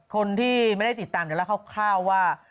คนที่ไม่ได้ติดตามเดี๋ยวเล่าคร่าวว่า